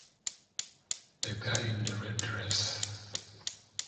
The guy in the red dress.